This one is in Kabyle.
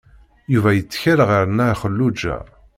Yuba yettkal ɣef Nna Xelluǧa.